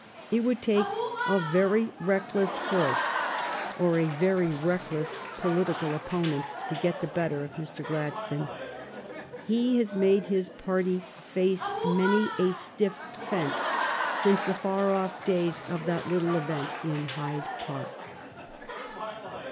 It would take a very reckless horse or a very reckless political opponent to get the better of Mr. Gladstone. He has made his party face many a stiff fence since the far off days of that little event in Hyde Park.